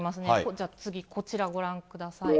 じゃあ次、こちらご覧ください。